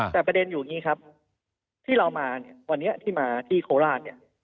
แต่ประเด็นอยู่อย่างนี้ครับที่เรามาเนี่ยวันนี้ที่มาที่โคราชเนี่ย